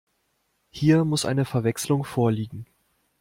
Hier muss eine Verwechslung vorliegen.